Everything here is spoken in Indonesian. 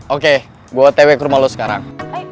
oke gue otw ke rumah lo sekarang